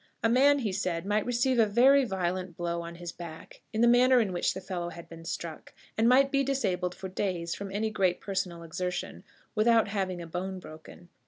A man, he said, might receive a very violent blow on his back, in the manner in which the fellow had been struck, and might be disabled for days from any great personal exertion, without having a bone broken.